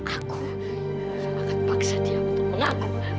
aku akan paksa dia untuk mengangkut